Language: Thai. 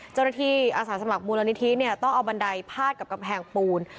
เจ้าหน้าที่อาสาสมัครบูรณนิธิต้องเอาบันไดพาดกับกระแผงปูน